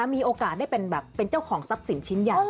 มีโอกาสได้เป็นเจ้าของทรัพย์สินชิ้นยาก